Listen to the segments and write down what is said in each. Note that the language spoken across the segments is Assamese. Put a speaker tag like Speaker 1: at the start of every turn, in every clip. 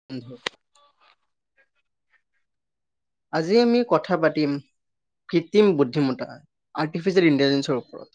Speaker 1: [unintelligible] আজি আমি কথা পাতিম। কৃত্ৰিম বুদ্ধিমত্তা আৰ্টিফিচিয়েল ইন্টেলিজেন্টৰ ওপৰত।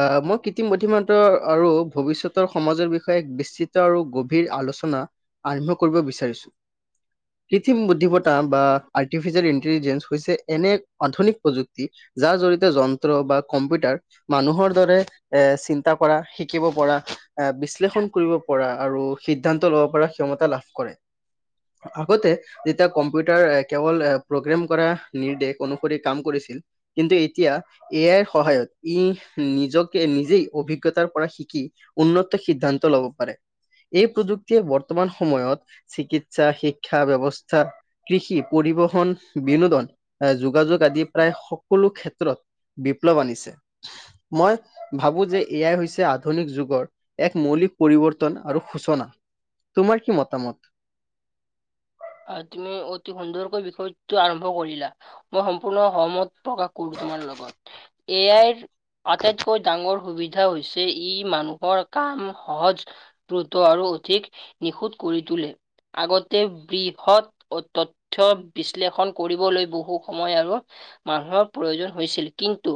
Speaker 1: অ', মই কৃত্ৰিম বুদ্ধিমত্তাৰ আৰু ভৱিষ্যতৰ সমাজৰ বিষয়ে এক বিচিত্ৰ আৰু গভীৰ আলোচনা আৰম্ভ কৰিব বিচাৰিছো, কৃত্ৰিম বুদ্ধিমত্তা বা আৰ্টিফিচিয়েল ইন্টেলিজেঞ্চ হৈছে এনে আধুনিক প্ৰযুক্তি। যাৰ জৰিয়তে যন্ত্ৰ বা কম্পিউটাৰ মানুহৰ দৰে এ, চিন্তা কৰা শিকিব পৰা আহ, বিশ্লেষণ কৰিব পৰা আৰু সিদ্ধান্ত ল'ব পৰা ক্ষমতা লাভ কৰে। আগতে যেতিয়া কম্পিউটাৰ কেৱল প্ৰগ্ৰেম কৰা নিৰ্দেশ অনুসৰি কৰিছিল। কিন্তু এতিয়া এ আই ৰ সহায়ত ই নিজকে নিজেই অভিজ্ঞতাৰ পৰা শিকি উন্নত সিদ্ধান্ত ল'ব পাৰে। এই প্ৰযুক্তিয়ে বৰ্তমান সময়ত চিকিৎসা, শিক্ষা ব্যৱস্থা কৃষি, পৰিবহণ, বিনোদন, যোগাযোগ আদি প্ৰায় সকলো ক্ষেত্ৰত বিপ্লৱ আনিছে। মই ভাবোঁ যে এ আই হৈছে আধুনিক যুগৰ এক মৌলিক পৰিৱৰ্তন আৰু সূচনা। তোমাৰ কি মতামত?
Speaker 2: আ, তুমি অতি সুন্দৰকৈ বিষয়টো আৰম্ভ কৰিলা। মই সম্পূৰ্ণ সহমত প্ৰকাশ কৰো তোমাৰ লগত। এ আইৰ আটাইতকৈ ডাঙৰ সুবিধা হৈছে ই মানুহৰ কাম সহজ দ্ৰুত আৰু অধিক নিখুদ কৰি তুলে, আগতে বৃ হত তথ্য বিশ্লেষণ কৰিবলৈ বহু সময় আৰু মানুহৰ প্ৰয়োজন হৈছিল। কিন্তু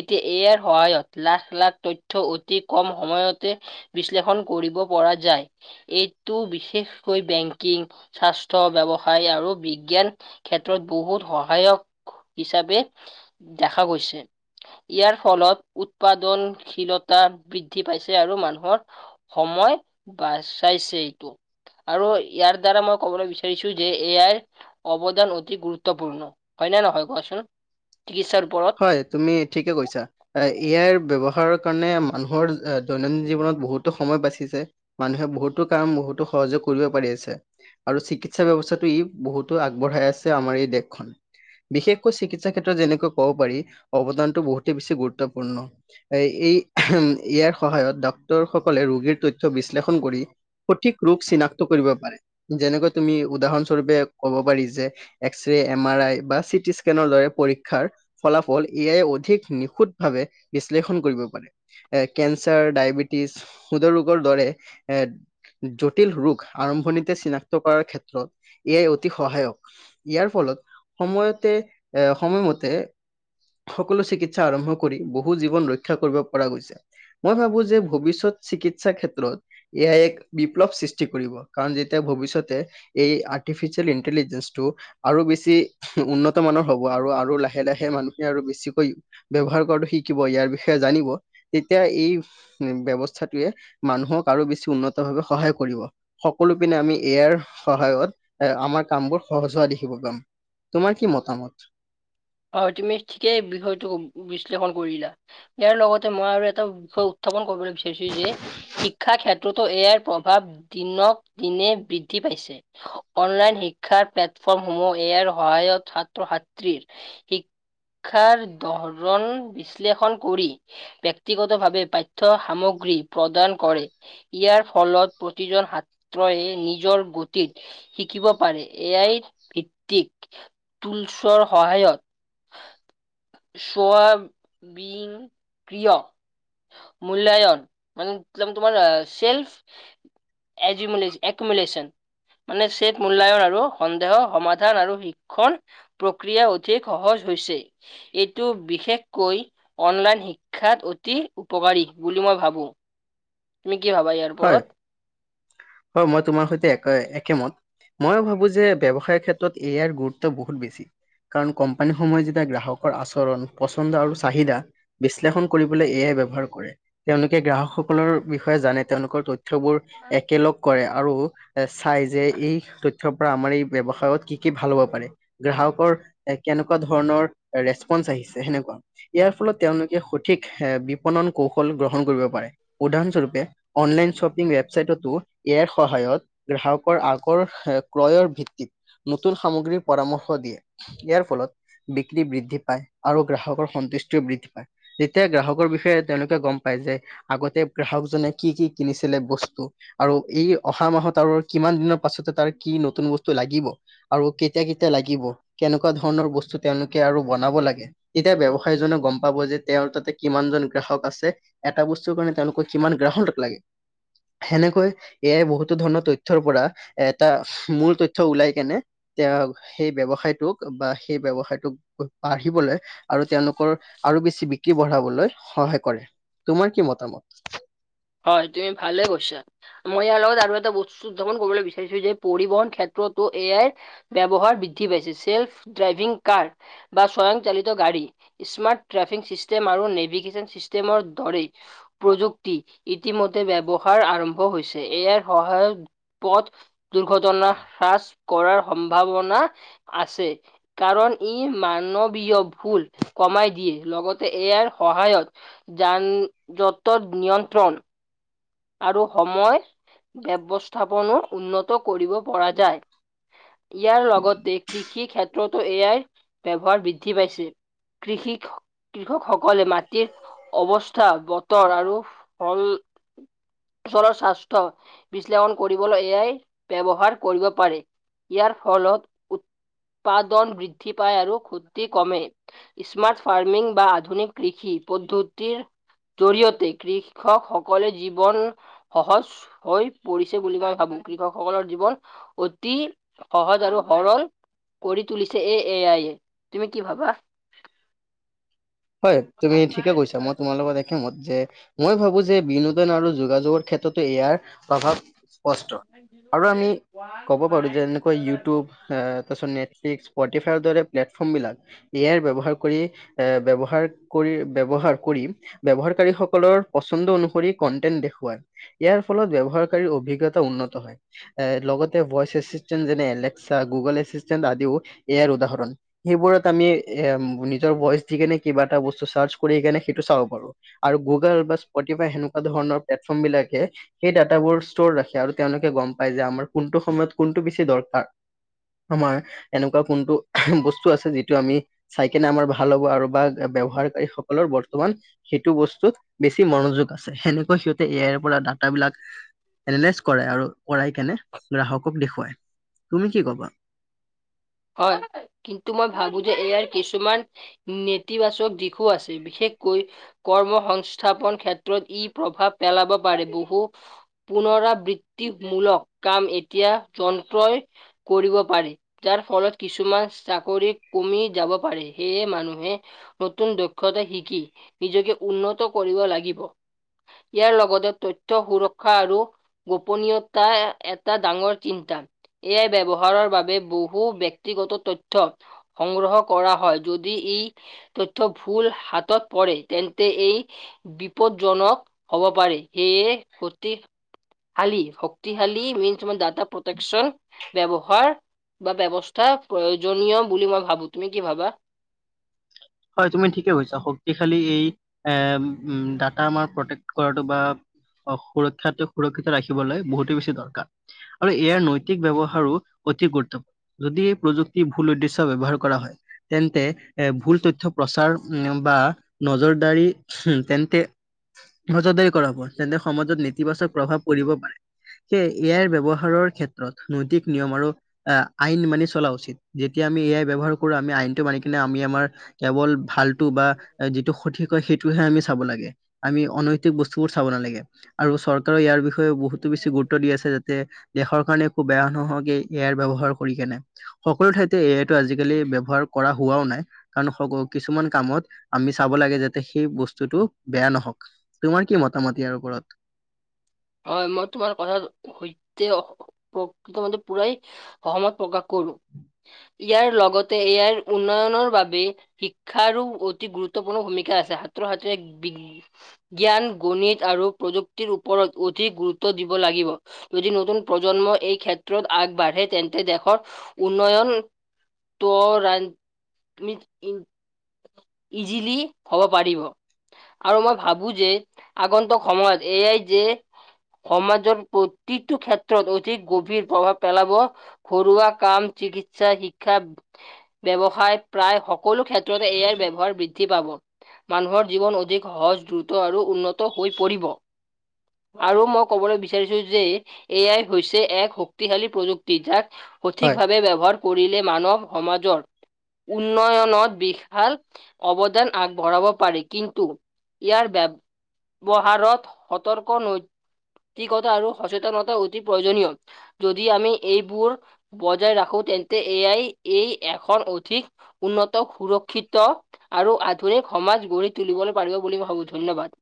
Speaker 2: এতিয়া এ আইৰ সহায়ত লাখ লাখ তথ্য অতি কম সময়তে বিশ্লেষণ কৰিব পৰা যায়, এইটো বিশেষকৈ বেংকিং স্বাস্থ্য, ব্যৱসায় আৰু বিজ্ঞান ক্ষেত্ৰত বহুত সহায়ক হিচাপে দেখা গৈছে। ইয়াৰ ফলত উৎপাদনশীলতা বৃদ্ধি পাইছে আৰু মানুহৰ সময় বাচাইছে এইটো আৰু ইয়াৰ দ্বাৰা মই ক'বলৈ বিচাৰি ৰিচো যে এ আই ৰ অৱদান অতি গুৰুত্বপূৰ্ণ। হয়নে নহয় কোৱাচোন? চিকিৎসাৰ ওপৰত।
Speaker 1: হয়, তুমি ঠিকেই কৈছা। এ আইৰ ব্যয়ৱহাৰৰ কাৰণে মানুহৰ দৈনন্দিন জীৱনত বহুতো সময় বাছি যায়। মানুহে বহুতো কাম বহুতো সহজে কৰিব পাৰি আছে। আৰু চিকিৎসা ব্যৱস্থাটো ই বহুতো আগবঢ়াই আছে আমাৰ এই দেশখন। বিশেষকৈ চিকিৎসা ক্ষেত্ৰত যেনেকৈ ক'ব পাৰি অৱদানটো বহুতেই বেছি গুৰুত্বপূৰ্ণ। এ এই ইয়াৰ সহায়ত ডাক্তৰ সকলে ৰোগীৰ তথ্য বিশ্লেষণ কৰি সঠিক ৰোগ চিনাক্ত কৰিব পাৰে, যেনেকৈ তুমি উদাহৰণস্বৰূপে ক'ব পাৰি যে X ray, M R I বা চিটিস্কেনৰ দৰে পৰীক্ষাৰ ফলাফল এ আই অধিক নিখুঁত ভাৱে বিশ্লেষণ কৰিব পাৰে। এ কেঞ্চাৰ, ডায়বেটিছ, হৃদৰোগৰ দৰে এ জটিল ৰোগ আৰম্ভণিতে চিনাক্ত কৰাৰ ক্ষেত্ৰত এ আই অতি সহায়ক। ইয়াৰ ফলত সময়তে এ সময়মতে সকলো চিকিৎসা আৰম্ভ কৰি বহু জীৱন ৰক্ষা কৰিব পৰা গৈছে। মই ভাবোঁ যে, ভৱিষ্যত চিকিৎসা ক্ষেত্ৰত এ আই য়ে এক বিপ্লৱ সৃষ্টি কৰিব, কাৰণ যেতিয়া ভৱিষ্যতে এই আৰ্টিফিচিয়েল ইণ্টেলিজেন্ঞ্চটো আৰু বেছি উন্নত মানৰ হ'ব আৰু আৰু লাহে, লাহে মানুহে আৰু বেছিকৈ ব্যৱহাৰ কৰাটো শিকিব, ইয়াৰ বিষয়ে জানিব, তেতিয়া এই ব্যৱস্থাটোৱে মানুহক আৰু বেছি উন্নত ভাৱে সহায় কৰিব। সকলো পিনে আমি এ আই ৰ সহায়ত আমাৰ কামবোৰ সহজ হোৱা দেখিব পাম। তোমাৰ কি মতামত?
Speaker 2: হয়, তুমি ঠিকেই বিষয়টোক বিশ্লেষণ কৰিলা। ইয়াৰ লগতে মই আৰু এটা বিষয় উত্থাপন কৰিবলৈ বিচাৰিছো যে শিক্ষা ক্ষেত্ৰতো এ আইৰ প্ৰভাৱ দিনক দিনে বৃদ্ধি পাইছে। অনলাইন শিক্ষাৰ প্লেটফৰ্ম সমূহ এ আইৰ সহায়ত ছাত্ৰ ছাত্ৰীৰ শিক্ষাৰ ধৰণ বিশ্লেষণ কৰি ব্যক্তিগত ভাৱে পাঠ্য সামগ্ৰী প্ৰদান কৰে। ইয়াৰ ফলত প্ৰতিজন সাত্ৰয়ে নিজৰ গতিত শিকিব পাৰে এ য়াই ভিত্তিক তুলচৰ সহায়ত চোৱা [unintelligible] ক্ৰিয় মূল্যায়ন মানে একদম তোমাৰ এ চেল্ফ এজিমোলে একোমোলেচন। মানে [unintelligible] মূল্যায়ন আৰু সন্দেহ সমাধান আৰু শিক্ষণ ক্ৰিয়া অধিক সহজ হৈছে। এইটো বিশেষকৈ অনলাইন শিক্ষাত অতি উপকাৰী বুলি মই ভাবোঁ। তুমি কি ভাবা ইয়াৰ
Speaker 1: হয়, হয়, মই তোমাৰ সৈতে একে একেমত। ময়ো ভাবোঁ যে, ব্যৱসায়ৰ ক্ষেত্ৰত এ য়াইৰ গুৰুত্ব বহুত বেছি। কাৰণ কোম্পানীসমূহে যেতিয়া গ্ৰাহকৰ আচৰণ পচন্দ আৰু চাহিদা বিশ্লেষণ কৰিবলৈ এ য়াই ব্যৱহাৰ কৰে তেওঁলোকে গ্ৰাহকসকলৰ বিষয়ে জানে। তেওঁলোকৰ তথ্যবোৰ একেলগ কৰে আৰু এ চাই যে, এই ত থ্যৰ পৰা আমাৰ এই ব্যৱসায়ত কি কি ভাল হ'ব পাৰে। গ্ৰাহকৰ এ, কেনেকুৱা ধৰণৰ ৰেচপন্ঞ্চ আহিছে সেনেকুৱা। ইয়াৰ ফলত তেওঁলোকে সঠিক এ, বিপনন কৌশল গ্ৰহণ কৰিব পাৰে উদাহৰণস্বৰূপে অনলাইন শ্বপিং ৱেবচাইটতো এ আইৰ সহায়ত গ্ৰাহকৰ আগৰ ক্ৰয়ৰ ভিত্তিত নতুন সামগ্ৰীৰ পৰামৰ্শ দিয়ে। ইয়াৰ ফলত বিক্ৰী বৃদ্ধি পায় আৰু গ্ৰাহকৰ সন্তুষ্টিও বৃদ্ধি পায়। তেতিয়া গ্ৰাহকৰ বিষয়ে তেওঁলোকে গম পায় যে, আগতে গ্ৰাহকজনে কি কি কিনিছিলে বস্তু। আৰু এই, অহা মাহত আৰু কিমান দিনৰ পাছতে তাৰ, কি নতুন বস্তু লাগিব? আৰু কেতিয়া-কেতিয়া লাগিব, কেনেকুৱা ধৰণৰ বস্তু তেওঁলোকে আৰু বনাব লাগে, তেতিয়া, ব্যৱসায়ী জনে গম পাব যে, তেওঁৰ তাতে, কিমানজন গ্ৰাহক আছে। এটা বস্তুৰ কাৰণে, তেওঁলোকৰ কিমান গ্ৰাহক লাগে। সেনেকৈ, এয়াই বহুতো ধৰণৰ তথ্যৰ পৰা, এটা মূল তথ্য ওলাই কেনে, তেওঁ, সেই ব্যৱসায়টোক বা সেই, ব্যৱসায়টোক বাঢ়িবলৈ আৰু তেওঁলোকৰ আৰু বেছি বিক্ৰী বঢ়াবলৈ সহায় কৰে। তোমাৰ কি মতামত?
Speaker 2: হয়, তুমি ভালে কৈছা। মই ইয়াৰ লগত আৰু এটা বস্তু, দুটামান ক'বলৈ বিচাৰিছোঁ যে, পৰিবহন ক্ষেত্ৰতো এইয়াৰ, ব্যৱহাৰ বৃদ্ধি পাইছে। চেল্ফ ড্ৰাইভিং কাৰ বা স্বয়ং চালিত গাড়ী, স্মাৰ্ট ট্ৰেফিং চিষ্টেম আৰু নেভিগেশ্বন চিষ্টেমৰ দৰেই প্ৰযুক্তি, ইতিমধ্যে ব্যৱহাৰ আৰম্ভ হৈছে। এ আইৰ সহায়ত পথ দুৰ্ঘটনা হ্ৰাস কৰাৰ সম্ভাৱনা আছে। কাৰণ, ই মানৱীয় ভুল কমাই দিয়ে। লগতে, এইয়াৰ সহায়ত যান য'ত-ত'ত নিয়ন্ত্ৰণ আৰু সময় ব্যৱস্থাপনো উন্নত কৰিব পৰা যায়। ইয়াৰ লগতে, কৃষি ক্ষেত্ৰতো এ আই ব্যৱহাৰ বৃদ্ধি পাইছে। কৃষিক কৃষকসকলে মাটিৰ অৱস্থা, বতৰ আৰু ফল চলৰ স্বাস্থ্য বিশ্লেষণ কৰিবলৈ, এ আই ব্যৱহাৰ কৰিব পাৰে। ইয়াৰ ফলত, উৎপাদন বৃদ্ধি পায় আৰু খুদ্দি কমে। স্মাৰ্ট ফাৰ্মিং বা আধুনিক কৃষি পদ্ধতিৰ জৰিয়তে, কৃষকসকলে জীৱন সহজ হৈ পৰিছে, বুলি মই ভাবোঁ! কৃষকসকলৰ জীৱন অতি সহজ আৰু সৰল কৰি তুলিছে। এ, এ আইয়ে। তুমি কি ভাবা?
Speaker 1: হয়, তুমি ঠিকে কৈছা! মই তোমাৰ লগত [unintelligible] যে, মই ভাবোঁ যে, বিনোদন আৰু যোগাযোগৰ ক্ষেত্ৰতো, ইয়াৰ প্ৰভাৱ স্পষ্ট। আৰু আমি, ক'ব পাৰোঁ যে, যেনেকৈ ইউটিউব [unintelligible] তাৰপিছত, নেটফ্লিক্স, স্পটিফাইৰ দৰে প্লেটফৰ্ম বিলাক। এ আই ব্যৱহাৰ কৰি, এ, ব্য ব্যৱহাৰ কৰি, ব্যৱহাৰ কৰি, ব্যৱহাৰকাৰীসকলৰ পচন্দ অনুসৰি, কন্টেন্ট দেখুৱাই। ইয়াৰ ফলত, ব্যৱহাৰকাৰীৰ অভিজ্ঞতা উন্নত হয়। এ, লগতে ভইচ এছিষ্টেন্ট যেনে- এলেক্সা, গুগল এছিষ্টেন্ট, আদিও ইয়াৰ উদাহৰণ। সেইবোৰত আমি, এ, নিজৰ ভইচ দি কেনে, কিবা এটা বস্তু চাৰ্চ কৰি কেনে, সেইটো চাব পাৰোঁ। আৰু গুগল বা স্পটিফাই সেনেকুৱা ধৰণৰ প্লেটফৰ্ম বিলাকে সেই ডাটাবোৰ ষ্টৰ ৰাখে। আৰু তেওঁলোকে গম পায় যে, আমাৰ কোনটো সময়ত, কোনটো বেছি দৰকাৰ। আমাৰ এনেকুৱা কোনটো বস্তু আছে, যিটো আমি চাইকনে আমাৰ ভাল হ'ব আৰু বা ব্যৱহাৰকাৰী সকলৰ বৰ্তমান, সেইটো বস্তুত বেছি মনোযোগ আছে। সেনেকুৱা সিহঁ তে এ আইৰ পৰা ডাটাবিলাক এনালাইজ কৰাই। আৰু কৰাই কেনে, গ্ৰাহকক দেখুৱায়। তুমি কি ক'বা?
Speaker 2: হয়! কিন্তু, মই ভাবোঁ যে, এ আই কিছুমান নেতিবাচক দিশো আছে। বিশেষকৈ, কৰ্ম সংস্থাপন ক্ষেত্ৰত ই প্ৰভাৱ পেলাব পাৰে। বহু পুনৰাবৃত্তিমূলক কাম এতিয়া, যন্ত্ৰই কৰিব পাৰি। ফলত কিছুমান, চাকৰি কমি যাব পাৰে। সেয়ে, মানুহে নতুন দক্ষতা শিকি, নিজকে উন্নত কৰিব লাগিব। ইয়াৰ লগতে তথ্য সুৰক্ষা আৰু গোপনীয়তা এটা ডাঙৰ চিন্তা, এয়াই ব্যৱহাৰৰ বাবে বহু বহু ব্যক্তিগত তথ্য সংগ্ৰহ কৰা হয়। যদি ই তথ্য ভুল হাতত পৰে তেন্তে এই বিপদজনক হব পাৰে সেয়ে সতি শালী শক্তিশালী মিঞ্চ মানে ডাটা প্ৰটেকচন ব্যৱহাৰ বা ব্যৱস্থা প্ৰয়োজনীয় বুলি মই ভাবো। তুমি কি ভাবা?
Speaker 1: হয় তুমি ঠিকে কৈছা, শক্তিশালী এই এ ডাটা আমাৰ প্ৰটেক্ট কৰাটো বা অ', সুৰক্ষা সুৰক্ষিত ৰাখিবলৈ বহুতেই বেছি দৰকাৰ। আৰু ইয়াৰ নৈতিক ব্যৱহাৰো অতি গুৰুত্ব যদি এই প্ৰযুক্তি ভুল উদ্দেশ্যয় ব্যৱহাৰ কৰা হয় তেন্তে এ ভুল [unintelligible] প্ৰচাৰ বা নজৰদাৰী তেন্তে মজাদাৰী কৰা হব তেন্তে সমাজত নেতিবাচক প্ৰভাৱ পৰিব পাৰে। সেয়ে এ আইৰ ব্যৱহাৰৰ ক্ষেত্ৰত নৈতিক নিয়ম আৰু আহ আইন মানে চলা উচিত যেতিয়া আমি এ এই ব্যৱহাৰ কৰো আমি আইনটো মানি কিনে আমি আমাৰ কেৱল ভালটো বা সঠিক হয়, সেইটোহে আমি চাব লাগে। আমি অনৈতিক বস্তু বোৰ চাব নালাগে আৰু চৰকাৰৰ ইয়াৰ বিষয়ে বহুতো বেছি গুৰুত্ব দি আছে যাতে দেশৰ কাৰণে খুব বেয়া নহওক এ আইৰ ব্যৱহাৰ কৰি কেনে। সকলো ঠাইতে এ আইটো আজিকালি ব্যৱহাৰ কৰা হোৱাও নাই। কাৰণ [unintelligible] কিছুমান কামত আমি চাব লাগে যাতে সেই বস্তুটো বেয়া নহওক। তোমাৰ কি মতামত ইয়াৰ ওপৰত?
Speaker 2: হয় মই তোমাৰ কথা সৈতে [unintelligible] প্ৰকাশ কৰো। ইয়াৰ লগতে ৰ আইৰ উন্নয়নৰ বাবে শিক্ষাৰো অতি গুৰুত্বপূৰ্ণ ভূমিকা আছে ছাত্ৰ সাত জ্ঞান, গণিত আৰু প্ৰযুক্তিৰ ওপৰত অধিক গুৰুত্ব দিব লাগিব। যদি নতুন প্ৰজন্ম এই ক্ষেত্ৰত আগবাঢ়ে তেন্তে দেশৰ উন্নয়ন [unintelligible] ইজিলি হ'ব পাৰিব। আৰু মই ভাবো যে আগন্তক সময়ত এয়াই যে সমাজৰ প্ৰতিটো ক্ষেত্ৰত অধিক গভীৰ প্ৰভাৱ পেলাব। ঘৰুৱা কাম, চিকিৎসা শিক্ষা ব্যয়ৱসায় প্ৰায় সকলো ক্ষেত্ৰতে এ আইৰ ব্যৱ হোৱাৰ বৃদ্ধি পাব। মানুহৰ জীৱন অধিক সহজ দ্ৰুত আৰু উন্নত হৈ পৰিব। আৰু মই ক'বলৈ বিচাৰিছো যে এয়াই হৈছে এক শক্তিশালী প্ৰযুক্তি যাক
Speaker 1: হয়,
Speaker 2: সঠিকভাৱে কৰিলে মানৱ সমাজৰ উন্নয়নৰ বিশাল অৱদান আগবঢ়াব পাৰি কিন্তু ইয়াৰ ব্য [unintelligible] সতৰ্ক, নৈতিকতা আৰু সচেতনতা অতি প্ৰয়োজনীয়। যদি আমি এইবোৰ বজাই ৰাখো তেন্তে এ য়াই এই এখন অধিক উন্নত সুৰক্ষিত আৰু আধুনিক সমাজ গঢ়ি তুলিবলৈ পাৰিব বুলিই ভাবো ধন্যবাদ।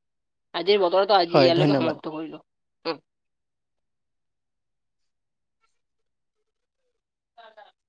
Speaker 2: আজিৰ বতৰত আজি
Speaker 1: হয়
Speaker 2: ইয়ালৈকে
Speaker 1: ধন্যবাদ।
Speaker 2: সমাপ্ত কৰিলো। [unintelligible]